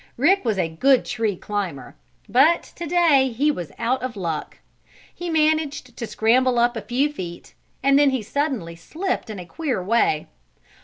Rick was a good tree climber, but to day he was out of luck. He managed to scramble up a few feet and then he suddenly slipped in a queer way.